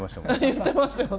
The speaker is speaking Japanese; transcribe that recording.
言ってましたよね。